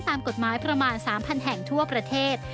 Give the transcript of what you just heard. ตามกฎหมายประมาณ๓๐๐แห่งทั่วประเทศ